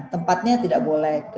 tempatnya tidak boleh